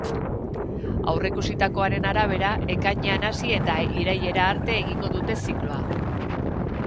Aurreikusitakoaren arabera, ekainean hasi eta irailera arte egingo dute zikloa.